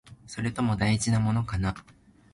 それとも、大事なものかな？